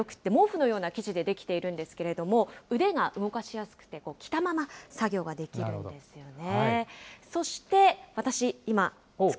ベスト、本当に肌触りがよくて、毛布のような生地で出来ているんですけれども、腕が動かしやすくて、着たまま作業ができるんですよね。